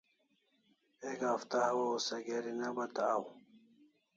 Ek hafta hawaw se geri ne bata aw